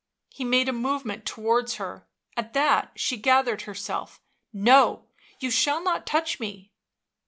.. He made a movement towards her; at that she gathered herself. " No— you shall not touch me.